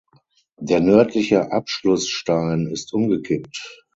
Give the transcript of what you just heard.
Der nördliche Abschlussstein ist umgekippt.